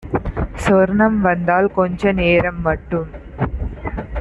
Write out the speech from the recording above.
சொர்ணம் வந்தால் கொஞ்ச நேரம்மட்டும்